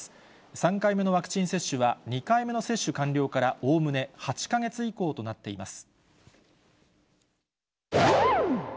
３回目のワクチン接種は２回目の接種完了からおおむね８か月以降となっています。